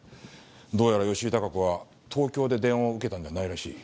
どうやら吉井孝子は東京で電話を受けたんじゃないらしい。